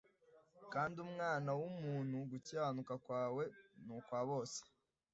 Kandi umwana w umuntu gukiranuka kwawe ni ukwa bose